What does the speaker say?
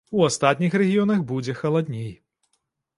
У астатніх рэгіёнах будзе халадней.